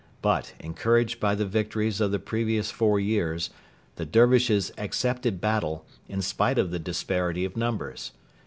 But, encouraged by the victories of the previous four years, the Dervishes accepted battle, in spite of the disparity of numbers.